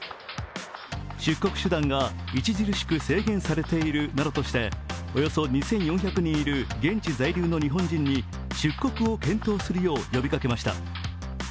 出国手段が著しく制限されているなどとしておよそ２４００人いる現地在留の日本人に出国を検討するよう呼びかけました。